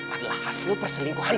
adalah hasil perselingkuhan